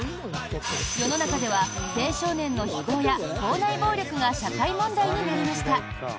世の中では青少年の非行や校内暴力が社会問題になりました。